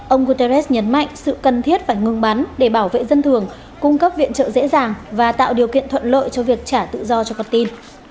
ông guterres nhấn mạnh sự cần thiết phải ngừng bắn để bảo vệ dân thường cung cấp viện trợ dễ dàng và tạo điều kiện thuận lợi cho việc trả tự do cho con tin